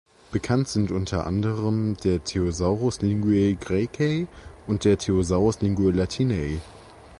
Bekannt sind unter anderem der "Thesaurus Linguae Graecae" und der "Thesaurus Linguae Latinae".